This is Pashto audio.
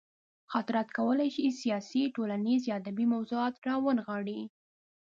خاطرات کولی شي سیاسي، ټولنیز یا ادبي موضوعات راونغاړي.